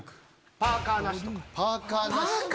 パーカーなし？